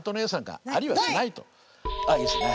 あっいいですね。